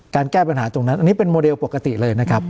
แก้ปัญหาตรงนั้นอันนี้เป็นโมเดลปกติเลยนะครับ